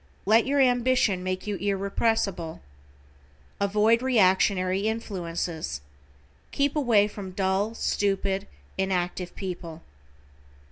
Let your ambition make you irrepressible. Avoid reactionary influences. Keep away from dull, stupid, inactive people.